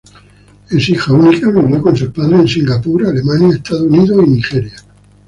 Es hija única, vivió con sus padres en Singapur, Alemania, Estados Unidos y Nigeria.